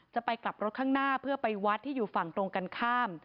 จะไปกลับรถข้างหน้าเพื่อไปวัดที่อยู่ฝั่งตรงกันข้าม